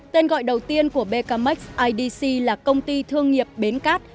tên gọi đầu tiên của becamec idc là công ty thương nghiệp bến cát